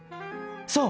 そう。